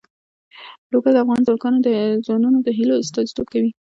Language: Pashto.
لوگر د افغان ځوانانو د هیلو استازیتوب کوي.